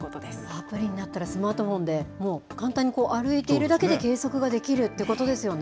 アプリになったらスマートフォンで、もう簡単に歩いているだけで計測ができるということですよね。